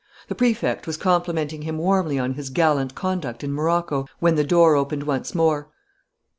The Prefect was complimenting him warmly on his gallant conduct in Morocco when the door opened once more.